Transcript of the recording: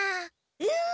うん！